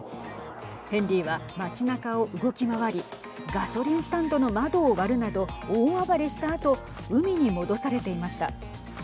ヘンリーは街なかを動き回りガソリンスタンドの窓を割るなど大暴れしたあと海に戻されていました。